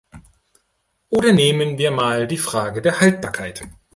Oder nehmen wir mal die Frage der Haltbarkeit.